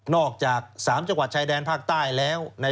ทีที่ผ่านมาไม่น้อยนะคะ